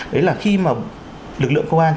đấy là khi mà lực lượng công an